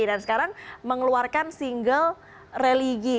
dan sekarang mengeluarkan single religi